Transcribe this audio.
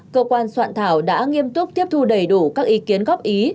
cơ quan soạn thảo đã nghiêm túc tiếp thu đầy đủ các ý kiến góp ý